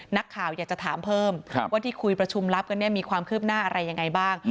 นักข่าวอยากจะถามเพิ่มว่าที่คุยประชุมรับกันเนี่ยมีความคืบหน้าอะไรยังไงบ้าง